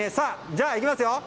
じゃあ、行きますよ。